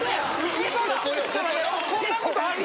こんなことある？